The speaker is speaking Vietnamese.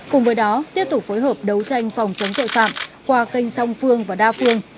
cùng với đó tiếp tục phối hợp đấu tranh phòng chống tội phạm qua kênh song phương và đa phương